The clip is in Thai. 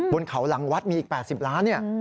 บนเขาหลังวัดมีอีก๘๐ล้านเนี่ย